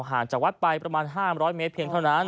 ห่างจากวัดไปประมาณ๕๐๐เมตรเพียงเท่านั้น